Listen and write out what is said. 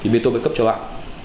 bên tôi mới cấp cho bạn